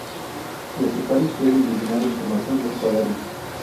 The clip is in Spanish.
Los usuarios pueden eliminar información del "Cuaderno".